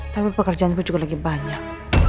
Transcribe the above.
tapi pekerjaan bu juga lagi banyak